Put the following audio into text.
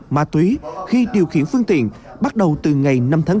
ma túy khi điều khiển phương tiện bắt đầu từ ngày năm tháng bốn